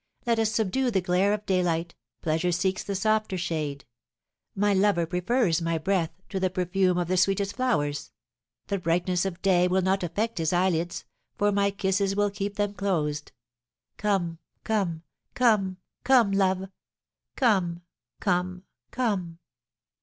Let us subdue the glare of daylight, pleasure seeks the softer shade. My lover prefers my breath to the perfume of the sweetest flowers. The brightness of day will not affect his eyelids, for my kisses will keep them closed. Come come come come, love! Come come come!"